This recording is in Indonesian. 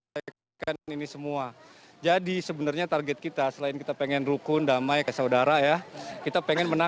piala dunia yang digelar transmedia